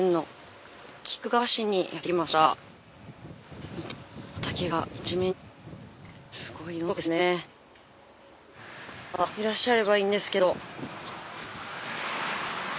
どなたかいらっしゃればいいんですけど。